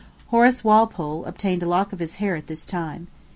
Horace Walpole obtained a lock of his hair at this time.